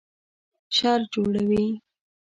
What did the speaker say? شر جوړوي